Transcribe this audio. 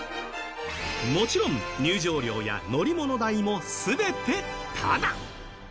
もちろん入場料や乗り物代も全てタダ。